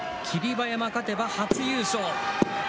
馬山勝てば初優勝。